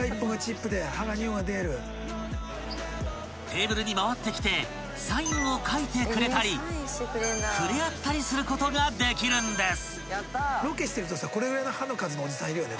［テーブルに回ってきてサインを書いてくれたり触れ合ったりすることができるんです］